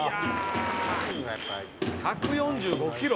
「１４５キロ！」